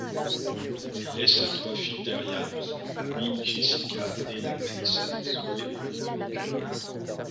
Il laissa trois filles derrière lui, Abby, Jessica et l'actrice Zoë Wanamaker.